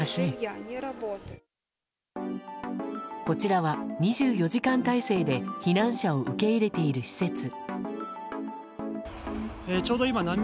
こちらは２４時間態勢で避難者を受け入れている施設。